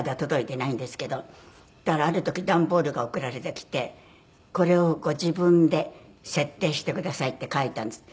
そしたらある時段ボールが送られてきて「これをご自分で設定してください」って書いてあるんです。